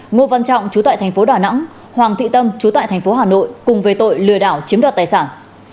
ngô văn trọng chú tại tp đà nẵng hoàng thị tâm chú tại tp hcm cùng về tội lừa đảo chiếm đoạt tài sản